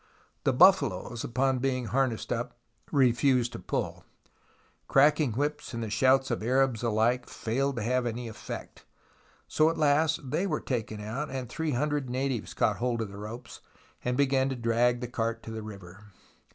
The buffaloes, upon being har nessed up, refused to pull. Cracking whips and the shouts of Arabs alike failed to have any effect, so at last they were taken out, and three hundred natives caught hold of the ropes and began to drag the cart to the river.